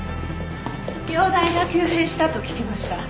容体が急変したと聞きました。